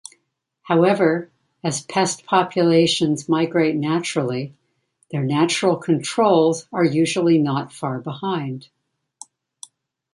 However, as pest populations migrate naturally, their natural controls are usually not far behind.